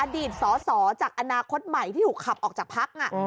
อดีตสอจากอนาคตใหม่ที่ถูกขับออกจากภักดิ์อ่ะ